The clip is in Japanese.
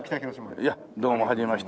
いやどうもはじめまして。